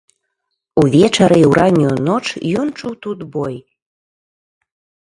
Увечары і ў раннюю ноч ён чуў тут бой.